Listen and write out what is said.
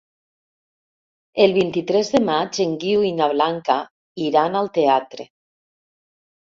El vint-i-tres de maig en Guiu i na Blanca iran al teatre.